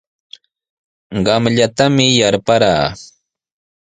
Qamllatami yarparaa.